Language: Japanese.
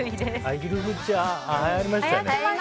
アヒル口、はやりましたよね。